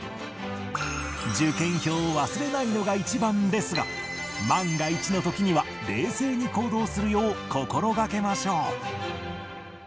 受験票を忘れないのが一番ですが万が一の時には冷静に行動するよう心掛けましょう